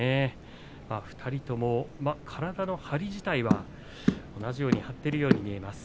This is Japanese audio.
２人とも体の張り自体は張っているように見えます。